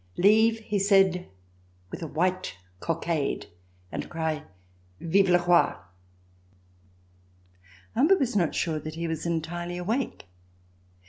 *' Leave," he said, "with a white cockade, and cr\ 'Vive le Roil' " Humbert was not sure that he was entirely awake.